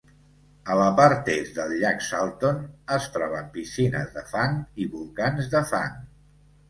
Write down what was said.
A la part est del llac Salton es troben piscines de fang i volcans de fang.